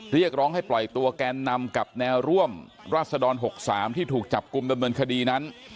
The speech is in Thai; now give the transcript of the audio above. เรียกร้องให้ปล่อยตัวแกนนำกับแนวร่วมราศดร๖๓ที่ถูกจับกลุ่มดำเนินคดีนั้น